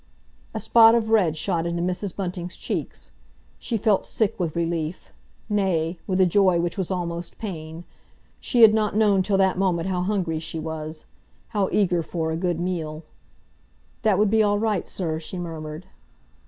A spot of red shot into Mrs. Bunting's cheeks. She felt sick with relief—nay, with a joy which was almost pain. She had not known till that moment how hungry she was—how eager for—a good meal. "That would be all right, sir," she murmured.